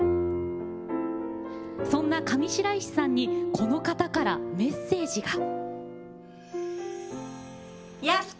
そんな上白石さんにこの方からメッセージが。